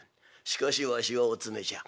しかしわしはお詰めじゃ。